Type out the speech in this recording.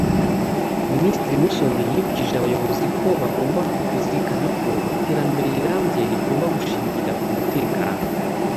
Minisitiri Musoni yibukije abayobozi ko bagomba kuzirikana ko iterambere rirambye rigomba gushingira ku mutekano